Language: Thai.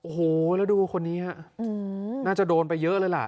โอ้โหแล้วดูคนนี้ฮะน่าจะโดนไปเยอะเลยล่ะ